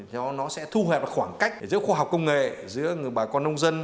cho nó sẽ thu hoẹp khoảng cách giữa khoa học công nghệ giữa bà con nông dân